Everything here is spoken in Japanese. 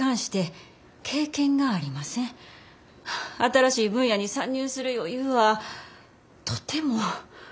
新しい分野に参入する余裕はとても。